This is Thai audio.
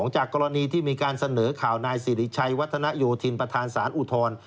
จากกรณีที่มีการเสนอข่าวนายสิริชัยวัฒนโยธินประธานสารอุทธร